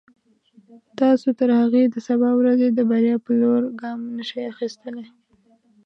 تاسو تر هغې د سبا ورځې د بریا په لور ګام نشئ اخیستلای.